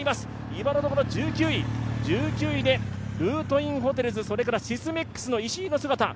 今のところ１９位で、ルートインホテルズ、シスメックスの石井の姿。